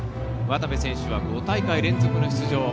渡部選手は５大会連続の出場。